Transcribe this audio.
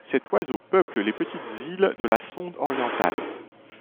Cet oiseau peuple les petites îles de la Sonde orientales.